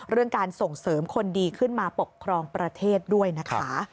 เรื่องการส่งเสริมคนดีขึ้นมาปกครองประเทศด้วยนะคะ